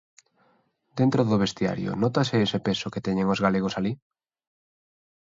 Dentro do vestiario nótase ese peso que teñen os galegos alí?